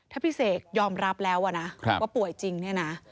ถ้าพี่เสกยอมรับแล้วนะว่าป่วยจริงเนี่ยนะ